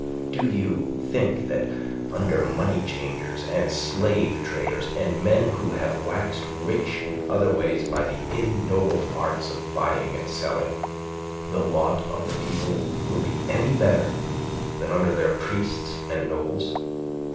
Do you think that under money changers and slave traders and men who have waxed rich in other ways by the ignoble arts of buying and selling, the lot of the people will be any better than under their priests and nobles?